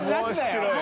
面白い！